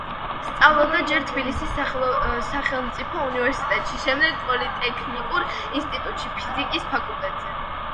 სწავლობდა ჯერ თბილისის სახელმწიფო უნივერსიტეტში, შემდეგ პოლიტექნიკურ ინსტიტუტში, ფიზიკის ფაკულტეტზე.